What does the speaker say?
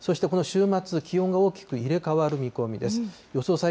そしてこの週末、気温が大きく入れ代わる見込みです。